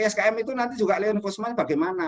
sikm itu nanti juga lay in enforcement bagaimana